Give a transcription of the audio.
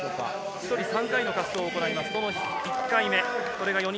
１人３回の滑走を行います。